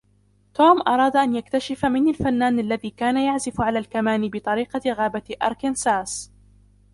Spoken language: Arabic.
توم أراد أن يكتشف من الفنان الذي كان يعزف على الكمان بطريقة غابة أركنساس.